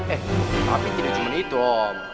eh tapi tidak cuma itu om